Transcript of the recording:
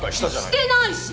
してないし！